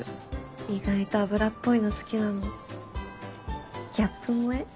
意外と油っぽいの好きなのギャップ萌え。